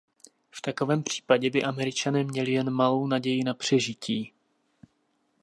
V takovém případě by Američané měli jen malou naději na přežití.